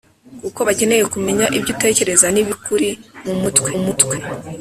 kuko bakeneye kumenya ibyo utekereza n ibikuri mu mutwe